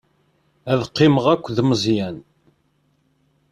Ad qqimeɣ akked Meẓyan.